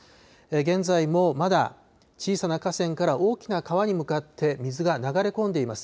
現在もまだ小さな河川から大きな川に向かって水が流れ込んでいます。